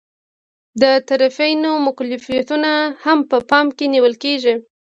د طرفینو مکلفیتونه هم په پام کې نیول کیږي.